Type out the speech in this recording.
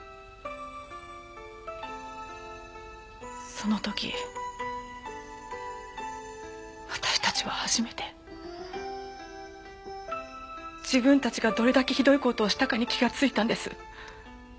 その時私たちは初めて自分たちがどれだけひどい事をしたかに気がついたんです。